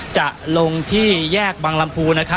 จะลงที่แยกบังลำพูนะครับ